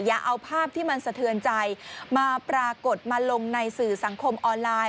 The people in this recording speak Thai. อย่าเอาภาพที่มันสะเทือนใจมาปรากฏมาลงในสื่อสังคมออนไลน์